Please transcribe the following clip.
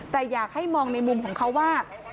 แต่อยากให้มองในมุมของเขาว่า